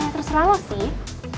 terus rana lo sih